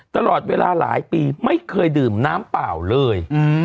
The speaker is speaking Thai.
ตลอดเวลาหลายปีไม่เคยดื่มน้ำเปล่าเลย